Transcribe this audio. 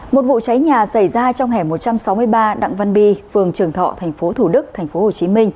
một vụ cháy nhà xảy ra trong hẻm một trăm sáu mươi ba đặng văn bi phường trường thọ tp thủ đức tp hcm